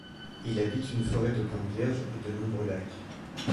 Il abrite une forêt de pins vierge et de nombreux lacs.